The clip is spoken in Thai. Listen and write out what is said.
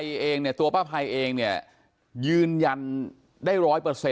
ถ้าพี่ถ้าพี่ถ้าพี่ถ้าพี่ถ้าพี่ถ้าพี่